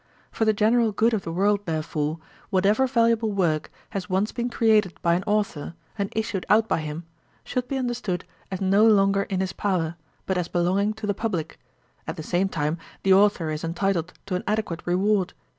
For the general good of the world, therefore, whatever valuable work has once been created by an authour, and issued out by him, should be understood as no longer in his power, but as belonging to the publick; at the same time the authour is entitled to an adequate reward.